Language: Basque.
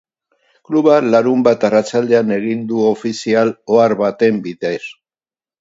Klubak larunbat arratsaldean egin du ofizial ohar baten bidez.